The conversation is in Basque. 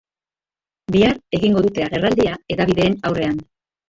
Bihar egingo dute agerraldia hedabideen aurrean.